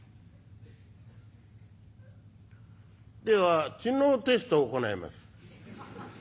「では知能テストを行います」。